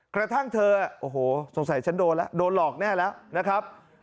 กระทั่งเธอโอ้โหสงสัยฉันโดนแล้วโดนหลอกแน่แล้วนะครับ